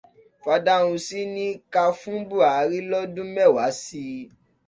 Fádáhùnsi ní ká fún Bùhárí lọ́dún mẹ́wàá síi